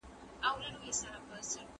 زه اوږده وخت سبزیجات جمع کوم